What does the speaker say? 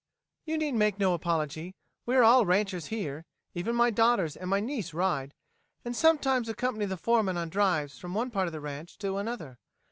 "You need make no apology. We are all ranchers here. Even my daughters and my niece ride, and sometimes accompany the foreman on drives from one part of the ranch to another.